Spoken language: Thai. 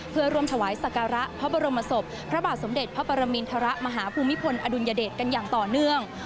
เพื่อร่วมถวายสการะพระบรมศพพระบาทสมเด็จพระปรมินทรมาฮภูมิพลอดุลยเดชกันอย่างต่อเนื่อง